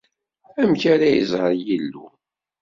Amek ara iẓer Yillu?